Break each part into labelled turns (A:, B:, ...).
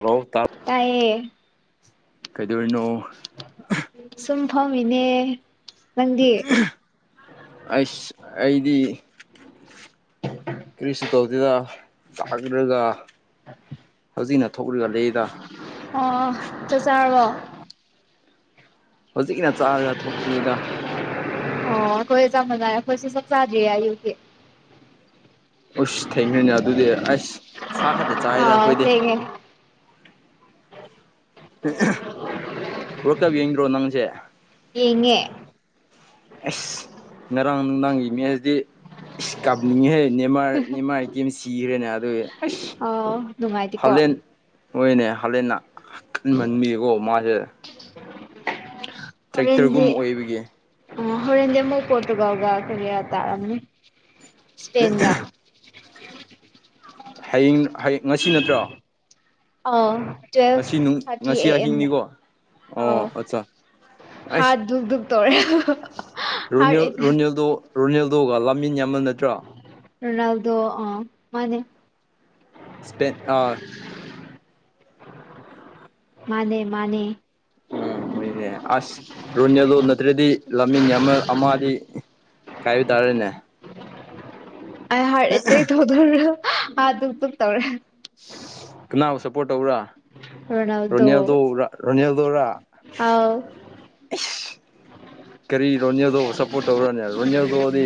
A: Hello ꯇꯥ
B: ꯇꯌꯦ꯫
A: ꯀꯩꯗꯧꯔꯤꯅꯣ
B: ꯁꯨꯝꯐꯝꯝꯃꯤꯅꯦ
A: ꯑꯩ ꯑꯩꯗꯤ ꯇꯧꯗꯨꯗ ꯆꯥꯛꯂꯒ ꯍꯧꯖꯤꯛꯅ ꯊꯣꯛꯒ ꯂꯩꯗ
B: ꯑ ꯆ ꯆꯥꯔꯔꯕꯣ
A: ꯍꯧꯖꯤꯛꯀꯤꯅ ꯆꯥꯔꯒ ꯊꯣꯛꯔꯤꯗ
B: ꯑꯣ ꯑꯩꯈꯣꯏ ꯆ ꯃꯖ ꯑꯩꯈꯣꯏꯁꯨ ꯆꯞ ꯆꯥꯗꯦꯌꯨꯁꯦ
A: ꯎꯁ ꯊꯦꯡꯅ꯭ꯔꯦꯅꯦ ꯑꯗꯨꯗꯤ ꯑꯁ ꯁꯥ ꯈꯛꯇ ꯆꯥꯏꯗ
B: ꯑꯥꯎ
A: ꯑꯩꯈꯣꯏꯗꯤ
B: ꯊꯦꯡꯉꯦ
A: ꯋꯥꯔ ꯀꯞ ꯌꯦꯡꯗ꯭ꯔꯣ ꯅꯪꯁꯦ
B: ꯌꯦꯉꯦ
A: ꯑꯦꯁ ꯉꯔꯥꯡ ꯅꯨꯡ ꯅꯉꯤꯅꯦꯗꯤ ꯏꯁꯀꯕꯂꯤꯉꯤꯍꯦ ꯃꯥ ꯅꯤꯃꯥꯜ ꯀꯤ ꯑꯃ ꯁꯤꯈ꯭ꯔꯦꯅꯦ ꯑꯗꯨꯏ ꯑꯁ
B: ꯑꯥꯎ ꯅꯨꯡꯉꯥꯏꯇꯦꯀꯣ
A: ꯃꯣꯏꯅꯦ ꯍꯂꯦꯟꯅꯟꯃꯟꯕꯤꯌꯦꯀꯣ ꯃꯥꯁꯦ ꯇ꯭ꯔꯦꯛꯇꯔꯒꯨꯝꯕ ꯑꯣꯏꯕꯒꯤ
B: ꯑꯣ ꯍꯣꯔꯦꯟꯗꯤ ꯑꯃꯨꯛ ꯄꯣꯔꯇꯨꯒꯥꯜꯒ ꯀꯩ ꯀꯌꯥ ꯇꯥꯑꯝꯅꯤ ꯏꯁꯄꯦꯟꯒ
A: ꯍꯌꯦꯡ ꯍꯌꯦꯡ ꯉꯁꯤ ꯅꯠꯇ꯭ꯔꯣ
B: ꯑ ꯇ꯭ꯋꯦꯜ
A: ꯉꯁꯤ
B: ꯊꯥꯔꯇꯤ
A: ꯉꯁꯤ
B: ꯑꯦꯦꯝ
A: ꯑꯍꯤꯡꯅꯤꯀꯣ ꯑꯣ ꯑꯠꯆꯥ
B: ꯍꯥ ꯇꯔ
A: ꯔꯣꯅꯤꯜ ꯔꯣꯅꯤꯜꯗꯣ ꯔꯣꯅꯦꯜꯗꯣꯒ ꯂꯥꯃꯤꯟ ꯌꯥꯝꯃꯜ ꯅꯠꯇ꯭ꯔꯥ
B: ꯔꯣꯅꯥꯜꯗꯣ ꯑ ꯃꯥꯅꯦ
A: ꯁꯄꯦ ꯑꯥ
B: ꯃꯥꯅꯦ ꯃꯥꯅꯦ
A: ꯎꯝ ꯍꯣꯏꯅꯦ ꯑꯁ ꯔꯨꯅꯤ ꯂꯣꯟ ꯅꯠꯇ꯭ꯔꯗꯤ ꯂꯝꯃꯤꯟ ꯑꯃ ꯑꯃꯗꯤ ꯀꯥꯏꯕꯤ ꯇꯥꯔꯦꯅꯦ
B: ꯑ ꯍꯥꯔꯠ ꯑꯦꯇꯦꯛ ꯇꯧꯗꯧ꯭ꯔꯣ ꯑꯗꯨ ꯇ ꯇꯧꯔꯦ
A: ꯀꯅꯥꯕꯨ ꯁꯞꯄꯣꯔꯠ ꯇꯧꯕꯔꯥ ꯔꯅꯤꯜꯗ
B: ꯔꯣꯅꯥꯜꯗꯣ
A: ꯔꯅꯤꯜꯗ ꯔꯥ
B: ꯑꯥꯎ
A: ꯀꯔꯤ ꯔꯣꯟꯖꯦꯜꯗꯣ ꯁꯞꯄꯣꯔꯠ ꯇꯧꯔꯅꯦ ꯔꯣꯟꯖꯦꯜꯗꯣꯗꯤ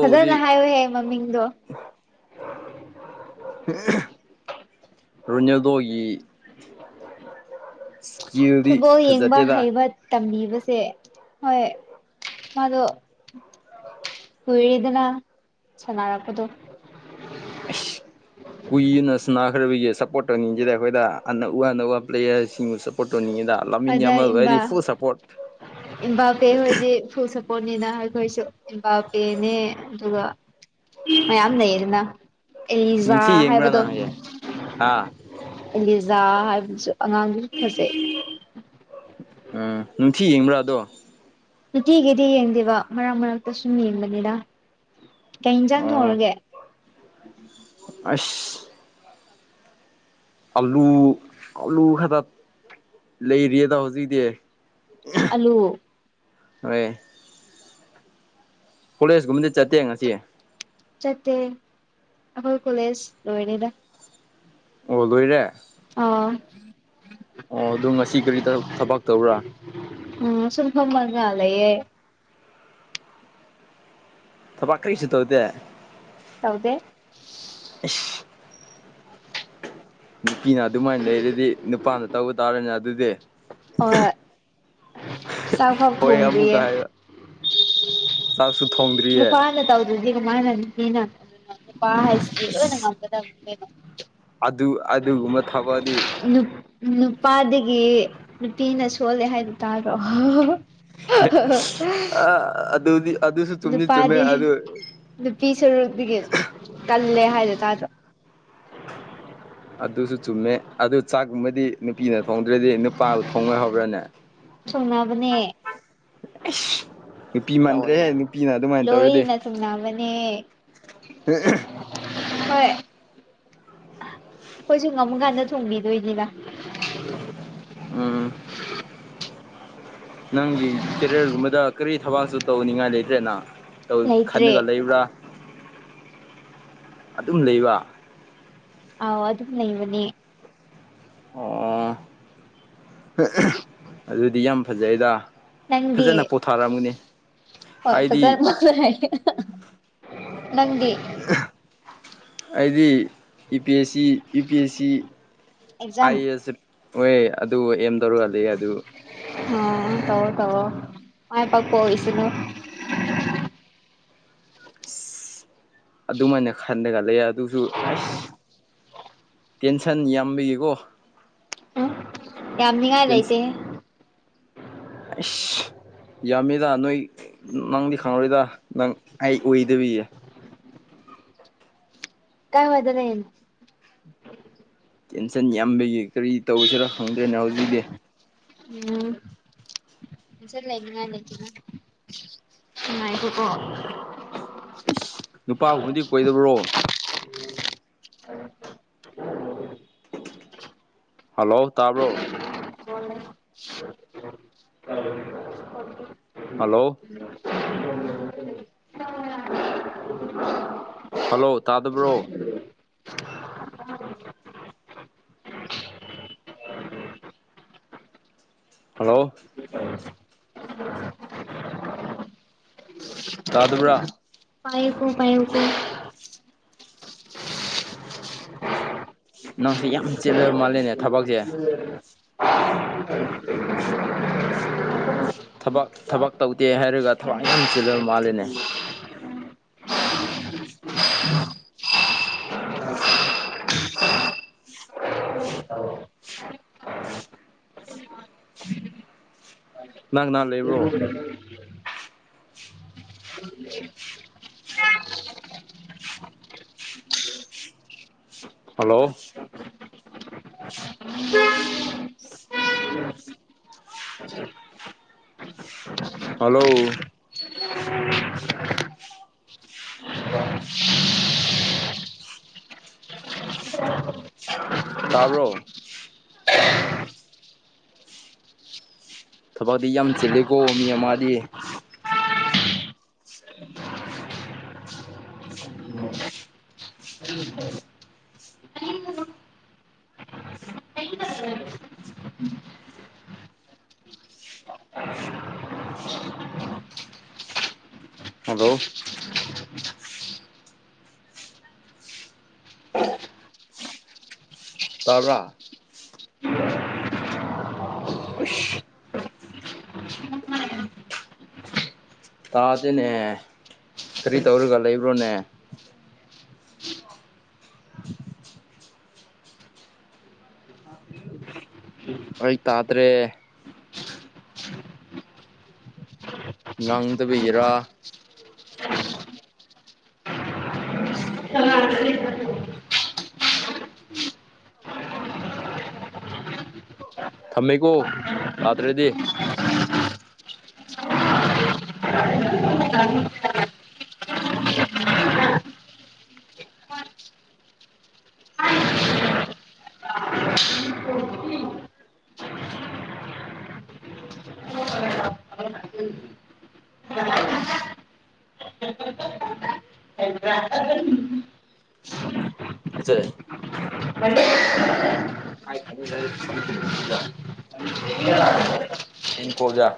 B: ꯐꯖꯅ ꯍꯥꯏꯌꯨꯍꯦ ꯃꯃꯤꯡꯗꯣ
A: ꯔꯨꯖꯜꯗ ꯑꯩꯒꯤ ꯀꯤꯕꯤ
B: ꯐꯨꯠꯕꯣꯜ ꯌꯦꯡꯕ
A: ꯐꯖꯇꯦꯕ
B: ꯍꯩꯕ ꯇꯝꯕꯤꯕꯁꯦ ꯍꯣꯏ ꯃꯥꯗꯣ ꯀꯨꯏꯔꯗꯅ ꯆꯅꯥꯔꯛꯄꯗꯨꯣ
A: [inaudible] ꯀꯨꯏꯅ ꯁꯅꯥꯈ꯭ꯔꯕꯒꯤ ꯁꯞꯄꯣꯔꯠ ꯇꯧꯅꯤꯡꯉꯤꯁꯤꯗ ꯑꯩꯈꯣꯏꯗ ꯑ ꯎ ꯑꯅ ꯋꯥ ꯄ꯭ꯂꯦꯌꯥꯔꯁꯤꯡꯕꯨ ꯁꯞꯄꯣꯔꯠ ꯇꯧꯅꯤꯡꯉꯤ
B: ꯍꯣꯏꯗ ꯏꯕꯥ ꯏꯕꯥꯄꯦ ꯍꯣꯏꯗꯤ ꯐꯨꯜ ꯁꯨꯞꯄꯣꯔꯠ꯭꯫ ꯄꯣꯠꯅꯤꯅ ꯑꯩꯈꯣꯏꯁꯨ ꯏꯕꯥꯄꯦꯅꯦ ꯑꯗꯨꯒ ꯃꯌꯥꯝ ꯂꯩꯌꯦꯗꯅ꯫ ꯑꯩꯖꯥ
A: ꯅꯨꯡꯊꯤ
B: ꯍꯥꯏꯕꯗꯣ꯫
A: ꯌꯦꯡꯕ꯭ꯔꯥꯅ ꯍꯌꯦꯡ ꯍꯥ
B: ꯑꯦꯂꯤꯖꯥ ꯍꯥꯏꯕꯗꯨꯁꯨ ꯑꯉꯥꯡꯗꯨꯁꯨ ꯐꯖꯩ꯫
A: ꯎꯝ ꯅꯨꯡꯊꯤ ꯌꯦꯡꯕ꯭ꯔꯥꯗꯣ꯫
B: ꯅꯨꯡꯇꯤꯒꯤꯗꯤ ꯌꯦꯡꯗꯦꯕ ꯃꯔꯛ ꯃꯔꯛꯇ ꯁꯨꯝ ꯌꯦꯡꯕꯅꯤꯗ꯫ ꯀꯩ
A: ꯑꯣ
B: ꯏꯟꯁꯥꯡꯊꯔꯒꯦ꯫
A: ꯑꯁ꯫ ꯑꯂꯨ ꯑꯂꯨ ꯈꯛꯇ ꯂꯩꯔꯤꯌꯦꯗ ꯍꯧꯖꯤꯛꯗꯤ
B: ꯑꯜꯂꯨ
A: ꯑꯣꯏꯣꯏ ꯀꯣꯂꯦꯖꯀꯨꯝꯕꯗꯤ ꯆꯠꯇꯦ ꯉꯁꯤ
B: ꯆꯠꯇꯦ ꯑꯩꯈꯣꯏ ꯀꯣꯂꯦꯖ ꯂꯣꯏꯔꯤꯗ
A: ꯂꯣꯏꯔꯦ
B: ꯑ [unintelligible] [inaudible]
A: ꯑꯣ ꯑꯣ ꯉꯁꯤ ꯀꯔꯤ ꯊꯕꯛ ꯇꯧꯕꯔꯥ
B: ꯎꯝ ꯁꯤꯤꯡꯍꯝ ꯃꯉ ꯂꯩꯌꯦꯦ
A: ꯊ ꯄꯈꯔꯤ ꯏꯁꯤ ꯇꯧꯗ
B: ꯇꯥꯎꯗꯦ
A: ꯏꯁ ꯅꯨꯄꯤꯅ ꯑꯗꯨꯃꯥꯏꯅ ꯂꯩꯔꯗꯤ ꯅꯨꯄꯥꯅ ꯇꯧꯕ ꯇꯥꯔꯅꯦ ꯑꯗꯨꯗꯤ
B: ꯑꯣ [inaudible] [unintelligible] ꯁ꯭ꯋꯥꯚꯕ ꯊꯨꯝꯔꯤꯌꯦ
A: ꯆ ꯁ [unintelligible] [inaudible]
B: ꯅ ꯄꯥ ꯇꯥꯎꯗꯗ ꯃꯥꯅ ꯄꯥ ꯍꯁꯣ ꯅꯪ
A: ꯏꯁ ꯑꯗꯨ ꯑꯗꯨꯒꯨꯝꯕ ꯊꯕꯛꯗꯤ
B: ꯅꯨꯄꯥꯗꯒꯤ ꯅꯨꯄꯤꯅ ꯁꯣꯜꯂꯦ ꯍꯥꯏꯕ ꯇꯥꯕ꯭ꯔꯣ
A: ꯑ ꯑꯗꯨꯗꯤ ꯑꯗꯨꯁꯨ ꯆꯨꯝꯗꯤ ꯆꯨꯝꯃꯦ
B: ꯅꯨꯄꯥꯗꯤ
A: ꯑꯗꯨ
B: ꯅꯨꯄꯤ ꯁꯔꯨꯛꯇꯒꯤ ꯀꯜꯂꯦ ꯍꯥꯏꯗ ꯇꯥꯗ꯭ꯔꯣ
A: ꯑꯗꯨꯁꯨ ꯆꯨꯝꯃꯦ ꯑꯗꯨ ꯆꯥꯛꯀꯨꯝꯕꯗꯤ ꯅꯨꯄꯤꯅ ꯊꯣꯡꯗ꯭ꯔꯗꯤ ꯅꯨꯄꯥꯗꯨ ꯊꯣꯡꯉꯣꯏꯍꯔꯅꯦ
B: ꯁꯨꯡꯅꯕꯅꯦ
A: ꯅꯨꯄꯤ ꯃꯟꯗ꯭ꯔꯦꯍꯦ ꯅꯨꯄꯤꯅ ꯑꯗꯨꯃꯥꯏꯅ
B: ꯂꯣꯏꯅ ꯊꯅꯥ ꯃꯅꯦ
A: ꯎꯝ [unintelligible] [inaudible]
B: ꯍꯣꯏ ꯑꯩꯈꯣꯏꯁꯨ ꯉꯝꯃꯨꯀꯥꯟꯗ ꯊꯣꯡꯕꯤꯗꯣꯏꯅꯤꯅ
A: ꯎꯝ ꯅꯪꯒꯤ ꯀꯦꯔꯤꯌꯔꯒꯨꯝꯕꯗ ꯀꯔꯤ ꯊꯕꯛꯁꯨ ꯇꯧꯅꯤꯡꯉꯥꯏ ꯂꯩꯇ꯭ꯔꯦꯅ
B: ꯂꯩꯇ꯭ꯔꯦ
A: ꯈꯟꯂꯒ ꯂꯩꯕ꯭ꯔꯥ ꯑꯗꯨꯝ ꯂꯩꯕ
B: ꯑꯥꯎ ꯑꯗꯨ ꯑꯗꯨ ꯅꯩꯕꯅꯦ
A: ꯑꯣ ꯑꯗꯨꯗꯤ ꯌꯥꯝ ꯐꯖꯩꯗ
B: ꯅꯪꯗꯤ
A: ꯐꯖꯅ ꯄꯣꯊꯥꯔꯝꯒꯅꯤ
B: ꯍꯣꯏ
A: ꯍꯥꯏꯗꯤ
B: ꯐꯖꯅ ꯅꯒꯤ
A: ꯑꯩꯗꯤ E P S C U P S C
B: exam
A: I A S ꯑꯦ ꯍꯣꯏ ꯑꯗꯨ ꯑꯦꯝ ꯇꯧꯔꯨꯍꯂ ꯑꯗꯨ
B: ꯑꯣ ꯇꯧ ꯇꯧ ꯃꯥꯏ ꯄꯥꯛ ꯄꯍꯁꯤꯣ
A: ꯑꯗꯨꯃꯥꯏꯅ ꯈꯟꯗꯒ ꯂꯩ ꯑꯗꯨꯁꯨ ꯑꯁ ꯇꯦꯟꯁꯟ ꯌꯥꯝꯕꯤꯒꯀꯣ
B: ꯎ ꯌꯥꯝꯅꯤꯉꯥꯏ ꯂꯩꯇꯦ
A: ꯏꯁꯐ [inaudible] [unintelligible] ꯌꯥꯝꯃꯤꯗ ꯅꯣꯏ ꯅꯪꯗꯤ ꯈꯪꯉꯔꯣꯏꯗ ꯅꯪ ꯑꯩ ꯑꯣꯏꯗꯕꯤꯌꯦ
B: ꯀꯥꯏ ꯐꯥꯏꯗꯅꯅ
A: ꯇꯦꯟꯁꯟ ꯌꯥꯝꯕꯒꯤ ꯀꯔꯤ ꯇꯧꯁꯤꯔ ꯈꯪꯗ꯭ꯔꯦꯅ ꯍꯧꯖꯤꯛꯇꯤ
B: ꯎꯝ ꯆꯠ ꯂꯩ ꯉ ꯂꯩꯇ ꯎꯉꯥꯏ ꯀꯣ
A: ꯅꯨꯄꯥꯒꯨꯝꯕꯗꯤ ꯀꯣꯏꯗꯕ꯭ꯔꯣ
B: [unintelligible] [inaudible]
A: ꯍꯜꯂꯣ ꯇꯥꯕ꯭ꯔꯣ
B: ꯍ [unintelligible] [inaudible]
A: ꯍꯂꯣ ꯍꯜꯂꯣ ꯇꯥꯗꯕ꯭ꯔꯣ ꯍꯜꯂꯣ ꯇꯥꯗꯨꯕ꯭ꯔꯥ
B: ꯄꯥꯏ ꯄꯣ ꯄꯥꯏ ꯄꯣ
A: ꯅꯪꯁꯦ ꯌꯥꯝ ꯆꯤꯠꯂꯕ ꯃꯥꯜꯂꯦꯅꯦ ꯊꯕꯛꯁꯦ ꯊꯕꯛ ꯊꯕꯛ ꯇꯧꯗꯦ ꯍꯥꯏꯔꯒ ꯊꯕꯛ ꯌꯥꯝ ꯆꯤꯜꯂꯕ ꯃꯥꯜꯂꯤꯦꯅꯦ ꯅꯪ ꯅꯍꯥꯟ ꯂꯩꯕ꯭ꯔꯣ ꯍꯜꯂꯣ ꯍꯜꯂꯣ ꯇꯥꯕꯔꯣ ꯊꯕꯛꯇꯤ ꯌꯥꯝ ꯆꯤꯜꯂꯤꯀꯣ ꯃꯤ ꯑꯃꯗꯤꯗꯤ ꯍꯜꯂꯣ ꯇꯕ꯭ꯔ ꯑꯁ ꯇꯥꯗꯦꯅꯦ ꯀꯔꯤ ꯇꯧꯔꯒ ꯂꯩꯕ꯭ꯔꯣꯅꯦ ꯑꯩ ꯇꯥꯗ꯭ꯔꯦ ꯉꯥꯡꯗꯕꯒꯤꯔꯥ ꯊꯝꯃꯦꯀꯣ ꯇꯥꯗ꯭ꯔꯗꯤ
B: ꯑꯦ
A: ꯑꯆꯦ ꯖ ꯏꯀꯣꯖ